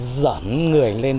giỡn người lên